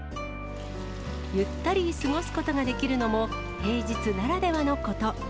ゆったり過ごすことができるのも、平日ならではのこと。